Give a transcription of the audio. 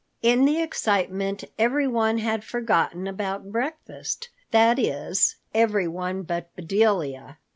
In the excitement everyone had forgotten about breakfast, that is, everyone but Bedelia.